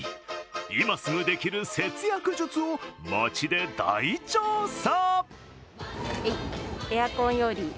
今すぐできる節約術を街で大調査。